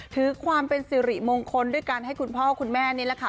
ถือความเป็นสิริมงคลด้วยการให้คุณพ่อคุณแม่นี่แหละค่ะ